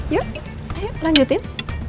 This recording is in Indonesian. yuk ayo lanjutin